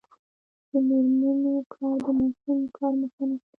د میرمنو کار د ماشوم کار مخه نیسي.